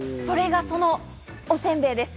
それがそのおせんべいです。